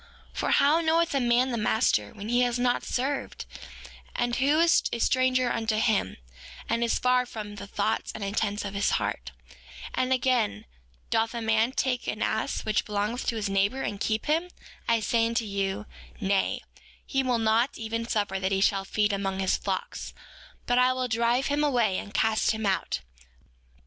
5:13 For how knoweth a man the master whom he has not served, and who is a stranger unto him, and is far from the thoughts and intents of his heart? 5:14 And again, doth a man take an ass which belongeth to his neighbor, and keep him? I say unto you, Nay; he will not even suffer that he shall feed among his flocks, but will drive him away, and cast him out.